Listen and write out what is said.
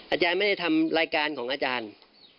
อาจารย์ไม่ได้ทำรายการของอาจารย์